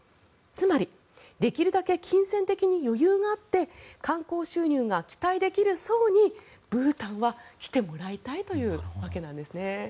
つまりできるだけ金銭的に余裕があって観光収入が期待できる層にブータンは来てもらいたいというわけなんですね。